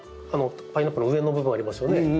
パイナップルの上の部分ありますよね。